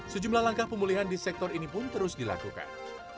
sejumlah langkah pemulihan di sektor ini pun terus dilakukan